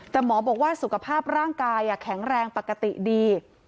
แต่หมอบอกว่าสุขภาพร่างกายแข็งแรงปกติดี